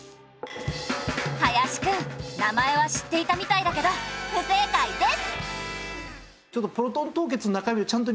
林くん名前は知っていたみたいだけど不正解です。